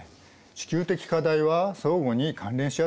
地球的課題は相互に関連し合ってます。